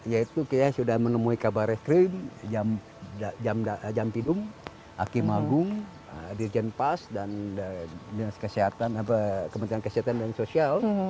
yaitu sudah menemui kabar reskrim jam tidung hakim agung dirjen pas dan kementerian kesehatan dan sosial